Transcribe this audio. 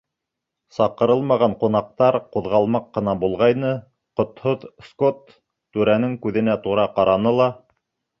Саҡырылмаған ҡунаҡтар ҡуҙғалмаҡ ҡына булғайны, ҡотһоҙ Скотт түрәнең күҙенә тура ҡараны ла: